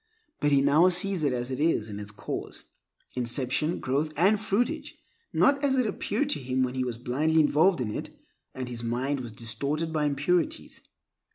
But he now sees it as it is in its cause, inception, growth, and fruitage, not as it appeared to him when he was blindly involved in it, and his mind was distorted by impurities.